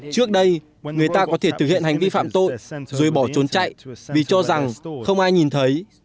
chúng sẽ thực hiện hành vi phạm tội rồi bỏ trốn chạy vì cho rằng không ai nhìn thấy